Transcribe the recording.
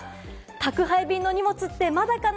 宅配便の荷物ってまだかな？